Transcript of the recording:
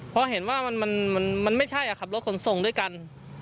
เพราะเห็นว่ามันไม่ใช่ขับรถขนส่งด้วยกัน